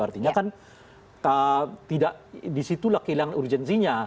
artinya kan tidak disitulah kehilangan urgensinya